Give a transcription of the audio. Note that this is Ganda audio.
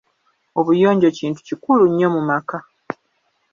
Obuyonjo kintu kikulu nnyo mu maka.